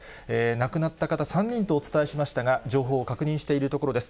亡くなった方、３人とお伝えしましたが、情報を確認しているところです。